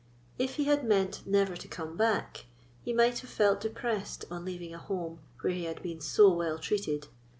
If he had meant never to come back, he might have felt depressed on leaving a home where he had been so well treated.